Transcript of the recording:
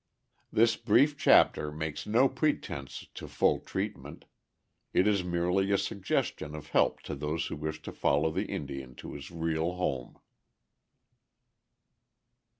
This brief chapter makes no pretense to full treatment. It is merely a suggestion of help to those who wish to follow the Indian to his real home.